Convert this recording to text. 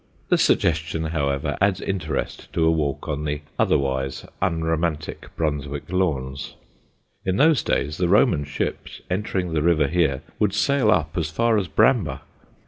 The suggestion, however, adds interest to a walk on the otherwise unromantic Brunswick Lawns. In those days the Roman ships, entering the river here, would sail up as far as Bramber.